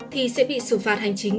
thì sẽ bị xử phạt hành chính